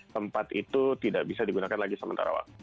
tempat itu tidak bisa digunakan lagi sementara waktu